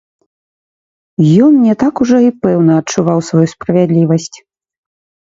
Ён не так ужо і пэўна адчуваў сваю справядлівасць.